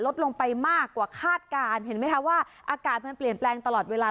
ลดลงไปมากกว่าคาดการณ์เห็นไหมคะว่าอากาศมันเปลี่ยนแปลงตลอดเวลา